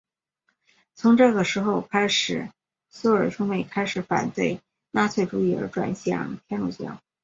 从这个时候开始朔尔兄妹开始反对纳粹主义而转向天主教。